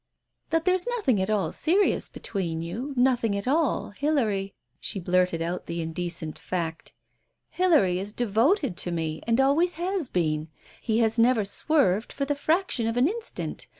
"That there is nothing at all serious between you — nothing at all, Hilary" — she blurted out the indecent fact — "Hilary is devoted to me, and always has been, he has never swerved for the fraction of an instant.